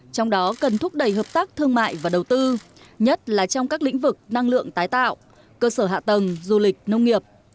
trong đó cần thúc đẩy hợp tác thương mại và đầu tư nhất là trong các lĩnh vực năng lượng tái tạo cơ sở hạ tầng du lịch nông nghiệp